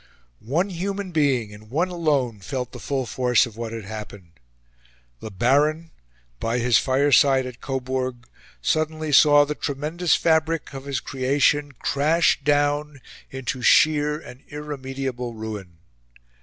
One human being, and one alone, felt the full force of what had happened. The Baron, by his fireside at Coburg, suddenly saw the tremendous fabric of his creation crash down into sheer and irremediable ruin.